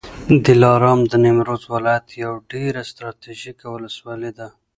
دلارام د نیمروز ولایت یوه ډېره ستراتیژیکه ولسوالي ده